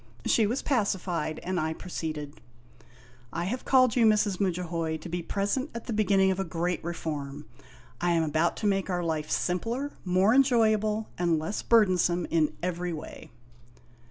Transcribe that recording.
She was pacified, and I proceeded :" I have called you, Mrs. Mudjahoy, to be present at the beginning of a Great Reform. I am about to make our life simpler, more enjoyable, and less burdensome in every way."